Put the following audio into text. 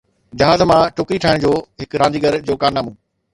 جهاز مان ٽوڪري ٺاهڻ جو هڪ رانديگر جو ڪارنامو